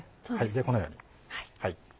でこのように。